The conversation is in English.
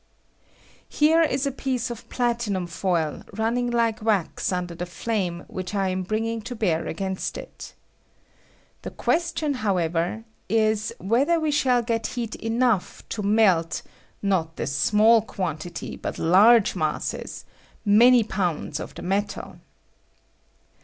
Here is a piece of platinum foil running like wax under the flame which I am bringing to bear against it. The question, however, is whether we shall get heat enough to melt, not this small quantity, but large masses — many pounds of the metal.